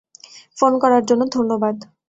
Phone করার জন্য ধন্যবাদ।